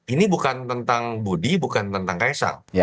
ini bukan tentang budi bukan tentang kaisang